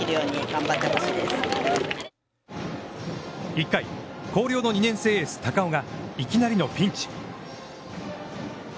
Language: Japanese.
１回、広陵の２年生エース高尾がいきなりのピンチ。